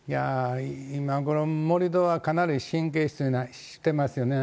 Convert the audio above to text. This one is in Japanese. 今ごろ、盛り土はかなり神経質にしてますよね。